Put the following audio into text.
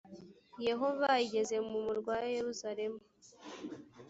yehova igeze mu murwa wa yeruzaremu